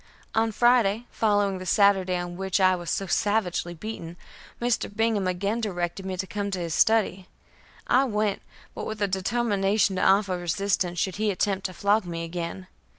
On Friday following the Saturday on which I was so savagely beaten, Mr. Bingham again directed me come to his study. I went, but with the determination to offer resistance should he attempt to flog me again.